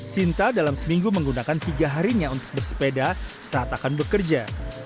sinta dalam seminggu menggunakan tiga harinya untuk bersepeda saat akan bekerja